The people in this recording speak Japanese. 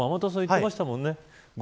天達さん言ってましたもんね